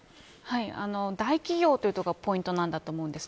大企業というところがポイントだと思います。